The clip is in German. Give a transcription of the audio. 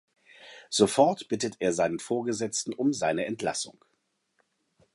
Sofort bittet er seinen Vorgesetzten um seine Entlassung.